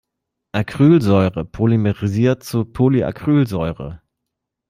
Acrylsäure polymerisiert zu Polyacrylsäure.